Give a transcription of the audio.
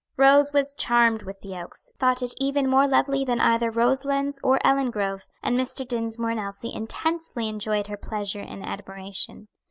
Rose was charmed with the Oaks, thought it even more lovely than either Roselands or Elingrove, and Mr. Dinsmore and Elsie intensely enjoyed her pleasure and admiration.